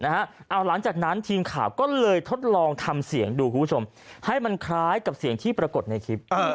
หลังจากนั้นทีมข่าวก็เลยทดลองทำเสียงดูคุณผู้ชมให้มันคล้ายกับเสียงที่ปรากฏในคลิป